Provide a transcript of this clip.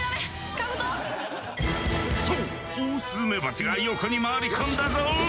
カブト！とオオスズメバチが横に回り込んだぞ！